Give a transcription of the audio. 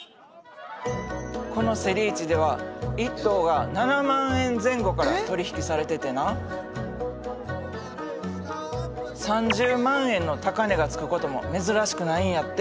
このセリ市では１頭が７万円前後から取り引きされててな３０万円の高値が付くことも珍しくないんやって。